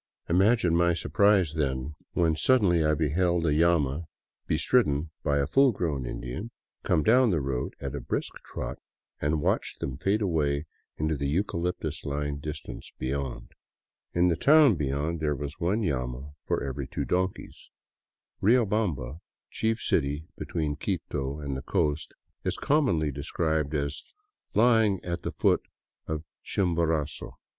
Imagine my surprise, then, when suddenly I beheld a llama bestridden by a full grown Indian come down the road at a brisk trot, and watched them fade away in the eucalyptus lined distance beyond. In the town be yond there was one llama for every two donkeys. 174 DOWN VOLCANO AVENUE Riobamba, chief city between Quito and the coast, is commonly described as " lying at the foot of Chimborazo."